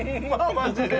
マジで。